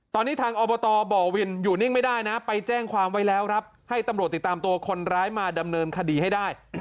ตอนนี้ทางอบตบ่อวินอยู่นิ่งไม่ได้นะไปแจ้งความไว้แล้วครับให้ตำรวจติดตามตัวคนร้ายมาดำเนินคดีให้ได้